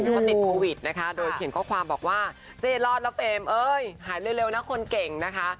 เขาติดโควิดนะคะโดยเขียนข้อความบอกว่าเจ๊รอดแล้วเฟรมเอ้ยหายเร็วนะคนเก่งนะคะ